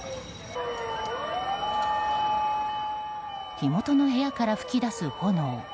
火元の部屋から噴きだす炎。